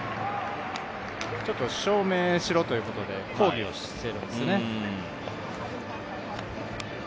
ちょっと証明しろということで抗議をしているんですね。